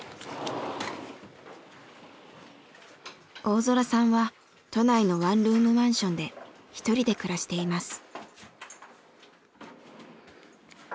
大空さんは都内のワンルームマンションで１人で暮らしています。